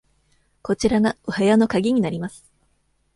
こちらがお部屋の鍵になります。